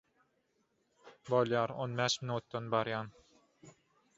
– Bolýar, on bäş minitden barýan.